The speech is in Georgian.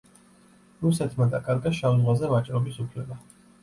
რუსეთმა დაკარგა შავ ზღვაზე ვაჭრობის უფლება.